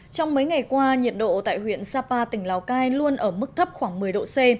trong mấy ngày qua nhiệt độ tại huyện sapa tỉnh lào cai luôn ở mức thấp khoảng một mươi độ c